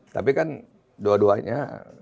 tapi kan dua duanya